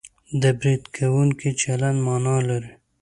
د برید کوونکي چلند مانا لري